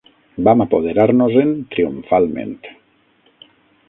Vam apoderar-nos-en triomfalment